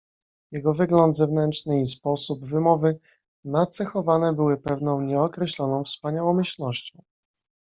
"Jego wygląd zewnętrzny i sposób wymowy nacechowane były pewną nieokreśloną wspaniałomyślnością."